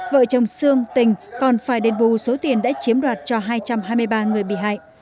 vợ chồng sương tình còn phải đền bù số tiền đã chiếm đoạt cho hai trăm hai mươi ba người bị hại